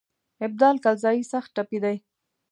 ابدال کلزايي سخت ټپي دی.